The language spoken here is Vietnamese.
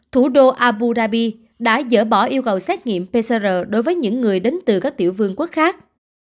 thủ đô abu dhabi đã dỡ bỏ yêu cầu xét nghiệm pcr đối với những người đến từ các tiểu vương quốc khác